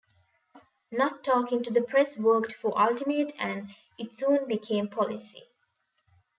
Not talking to the press worked for Ultimate and it soon became policy.